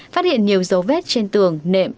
phát hiện nhiều dấu vết trên tường nệm